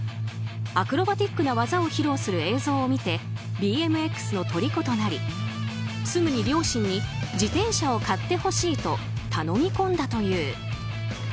アクロバティックな技を披露する映像を見てＢＭＸのとりことなりすぐに両親に自転車を買ってほしいと頼み込んだという。